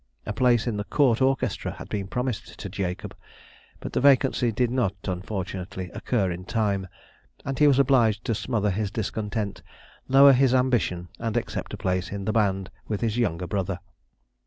A place in the court orchestra had been promised to Jacob, but the vacancy did not, unfortunately, occur in time, and he was obliged to smother his discontent, lower his ambition, and accept a place in the band with his younger brother.